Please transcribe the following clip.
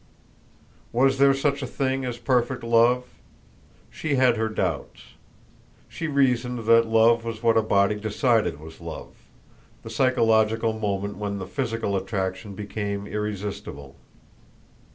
Was there such a thing as perfect love? She had her doubts. She reasoned that love was what a body decided was love, the psychological moment when the physical attraction became irresistible.